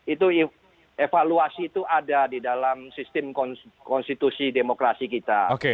itu evaluasi itu ada di dalam sistem konstitusi demokrasi kita